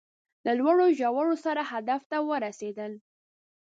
له لوړو ژورو سره هدف ته ورسېدل